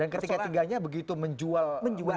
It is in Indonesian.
ketika tinggalnya begitu menjual sekali